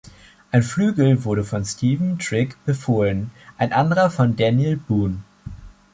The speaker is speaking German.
Ein Flügel wurde von Stephen Trigg befohlen, ein anderer von Daniel Boone.